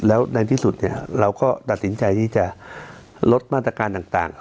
แล้วในที่สุดเราก็ตัดสินใจที่จะลดมาตรการต่าง